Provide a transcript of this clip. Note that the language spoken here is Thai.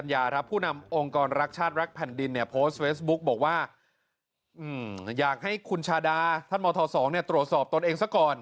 อยากให้คุณชาดาท่านมศ๒ตรวจสอบตัวเองซะก่อน